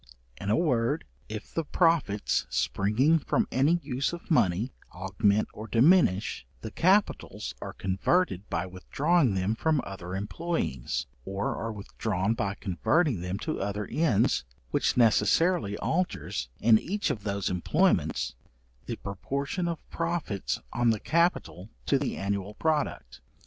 In a word, if the profits, springing from an use of money, augment or diminish, the capitals are converted by withdrawing them from other employings, or are withdrawn by converting them to other ends, which necessarily alters, in each of those employments, the proportion of profits on the capital to the annual product.